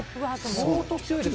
相当強いです。